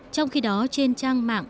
trong khi đó trên trang mạng